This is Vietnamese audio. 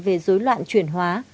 về dối loạn truyền hóa